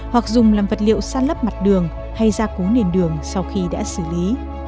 hoặc dùng làm vật liệu san lấp mặt đường hay gia cố nền đường sau khi đã xử lý